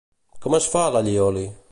Com es fa l'allioli?